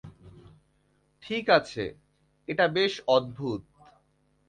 ঠিক আছে, এটা বেশ অদ্ভুত।